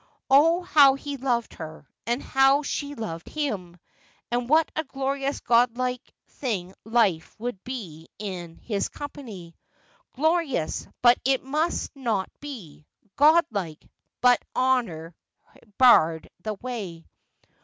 Oh, how he loved her, and how she loved him ! And what a glorious godlike thing life would be in his company ! Giorious, but it must not be ; godlike, but honour barred the way.